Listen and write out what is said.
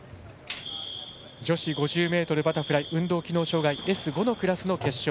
女子５０ｍバラフライ運動機能障がいＳ５のクラスの決勝。